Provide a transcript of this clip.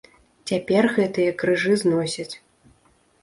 Цяпер гэтыя крыжы зносяць.